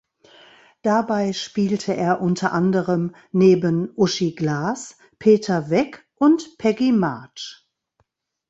Dabei spielte er unter anderem neben Uschi Glas, Peter Weck und Peggy March.